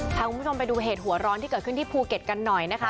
พาคุณผู้ชมไปดูเหตุหัวร้อนที่เกิดขึ้นที่ภูเก็ตกันหน่อยนะคะ